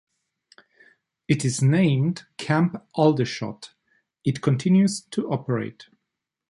It is named Camp Aldershot, it continues to operate.